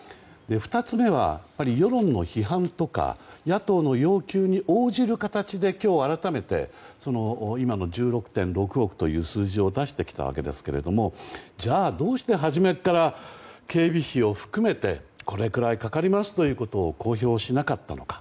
２つ目は、やはり世論の批判とか野党の要求に応じる形で今日、改めて今の１６．６億という数字を出してきたわけですがじゃあどうして初めから警備費を含めてこれくらいかかりますと公表しなかったのか。